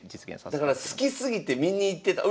だから好きすぎて見に行ってた。